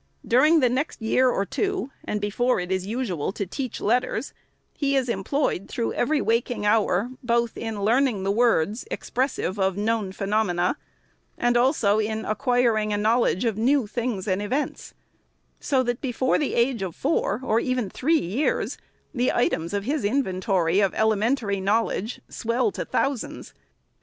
During the next year or two, and before it is usual to teach letters, he is employed through every waking hour, both in learning the words expressive of known phenomena, and also in acquiring a knowledge of new things and events ; so that before the age of four, or even three years, the items of his inventory of elementary knowledge swell to thou sands.